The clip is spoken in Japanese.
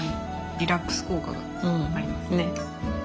リラックス効果がありますね。